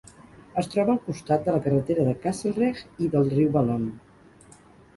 Es troba al costat de la carretera de Castlereagh i del riu Balonne.